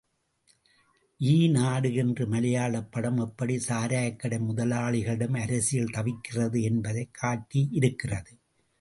ஈ நாடு என்ற மலையாளப் படம் எப்படி சாராயக்கடை முதலாளிகளிடம் அரசியல் தவிக்கிறது என்பதைக் காட்டியிருக்கிறது.